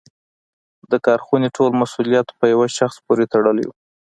د کارخونې ټول مسوولیت په یوه شخص پورې تړلی و.